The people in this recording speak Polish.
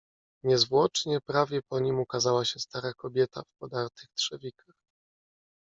"Niezwłocznie prawie po nim ukazała się stara kobieta w podartych trzewikach."